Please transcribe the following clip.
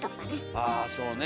あそうね。